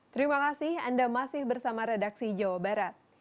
terima kasih anda masih bersama redaksi jawa barat